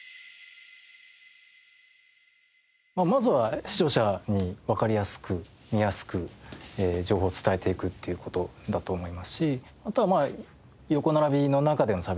まずは視聴者にわかりやすく見やすく情報を伝えていくっていう事だと思いますしあとは横並びの中での差別化。